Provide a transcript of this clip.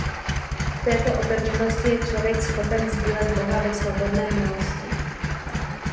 V této otevřenosti je člověk schopen sdílet Boha ve svobodné milosti.